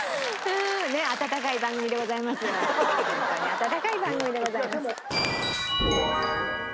温かい番組でございます。